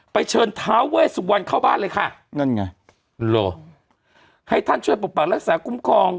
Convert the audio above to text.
ไปเชิญเท้าเว้ยสุดวันเข้าบ้านเลยค่ะนั่นไงละให้ท่านช่วยปกประสาทลักษะกุ้งคลอง